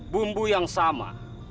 bumbu yang sama